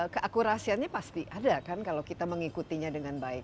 keakurasiannya pasti ada kan kalau kita mengikutinya dengan baik